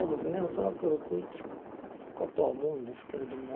恐らく６一かとは思うんですけれども。